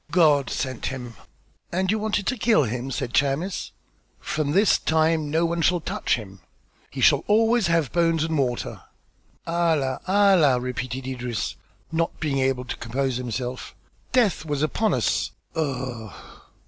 "God sent him." "And you wanted to kill him?" said Chamis. "From this time no one shall touch him." "He shall always have bones and water." "Allah! Allah!" repeated Idris, not being able to compose himself. "Death was upon us. Ugh!"